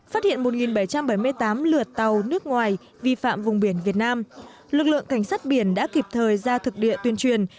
phát hiện một bảy trăm bảy mươi tám lượt tàu nước ngoài vi phạm vùng biển việt nam lực lượng cảnh sát biển đã kịp thời ra thực địa tuyên truyền